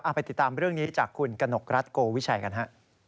ไปติดตามเรื่องนี้จากคุณกนกรัฐโกวิชัยกันฮะ